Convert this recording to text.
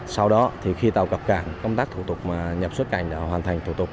sau đó thì khi tàu cập cảng công tác thủ tục mà nhập xuất cảnh đã hoàn thành thủ tục